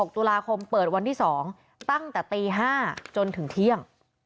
๖ตุลาคมเปิดวันที่๒ตั้งแต่ตี๕จนถึงเที่ยง